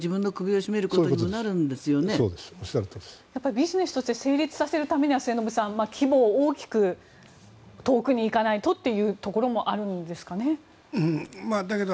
ビジネスとして成立させるためには末延さん、規模を大きく遠くに行かないとということもあるんですかね。